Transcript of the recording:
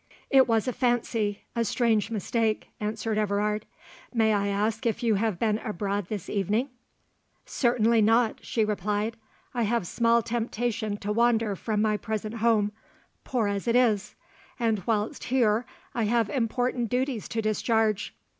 "It was a fancy—a strange mistake," answered Everard. "May I ask if you have been abroad this evening?" "Certainly not," she replied. "I have small temptation to wander from my present home, poor as it is; and whilst here, I have important duties to discharge.